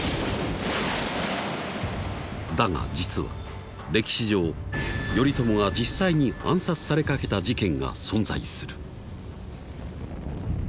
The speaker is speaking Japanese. だが実は歴史上頼朝が実際に暗殺されかけた事件が存在する。